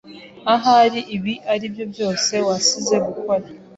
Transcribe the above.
Ahari ibi aribyo byose wasize gukora.